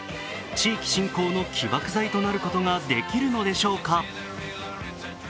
地域振興の起爆剤となることができるのでしょうか。